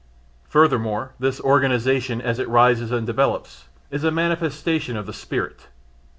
Furthermore this organisation as it rises and develops, is a manifestation of the spirit.